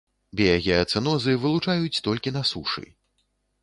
Біягеацэнозы вылучаюць толькі на сушы.